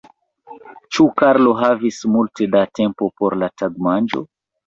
Ĉu Karlo havis multe da tempo por la tagmanĝo?